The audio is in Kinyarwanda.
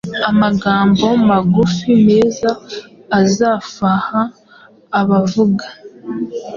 Amagambo magufi, meza azafaha abavuga